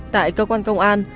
tại cơ quan công an